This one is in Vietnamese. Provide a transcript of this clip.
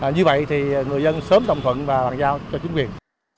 như vậy thì người dân sớm đồng thuận và bàn giao cho chính quyền